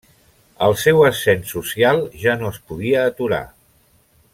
El seu ascens social ja no es podia aturar.